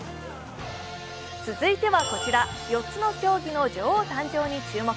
続いてはこちら４つの競技の女王誕生に注目。